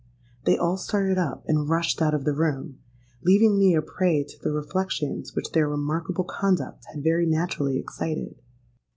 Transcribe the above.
They all started up, and rushed out of the room—leaving me a prey to the reflections which their remarkable conduct had very naturally excited.